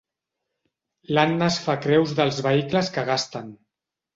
L'Anna es fa creus dels vehicles que gasten.